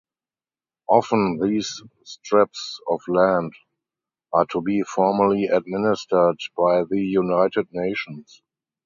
Often these strips of land are to be formally administered by the United Nations.